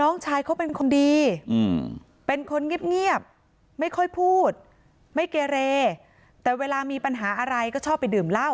น้องชายเขาเป็นคนดีเป็นคนเงียบไม่ค่อยพูดไม่เกเรแต่เวลามีปัญหาอะไรก็ชอบไปดื่มเหล้า